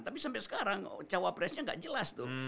tapi sampai sekarang cawapresnya nggak jelas tuh